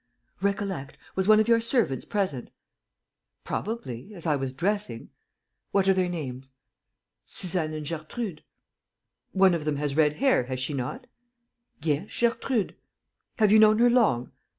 "Recollect. Was one of your servants present?" "Probably ... as I was dressing. ..." "What are their names?" "Suzanne and Gertrude." "One of them has red hair, has she not?" "Yes, Gertrude." "Have you known her long?"